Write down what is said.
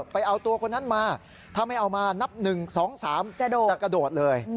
ไปเอาตัวคนนั้นมาถ้าไม่เอามานับ๑๒๓จะกระโดดเลย